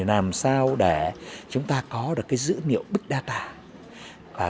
làm sao để chúng ta có được cái dữ liệu big data